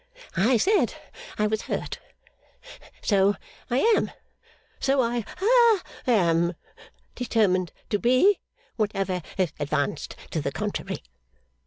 'I said I was hurt. So I am. So I ha am determined to be, whatever is advanced to the contrary.